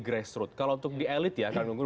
grassroot kalau untuk di elite ya kang nunggun